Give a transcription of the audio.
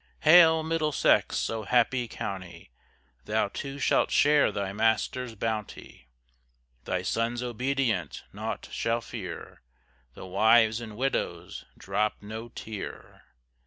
Hail, Middlesex! oh happy county! Thou too shalt share thy master's bounty, Thy sons obedient, naught shall fear, Thy wives and widows drop no tear.